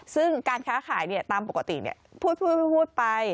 ซึ่งการค้าขายตามปกติพูดไป